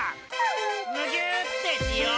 むぎゅーってしよう！